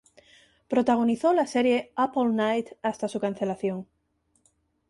Protagonizó la serie "Up All Night" hasta su cancelación.